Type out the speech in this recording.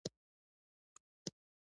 چې دا خو ستا ګوتې دي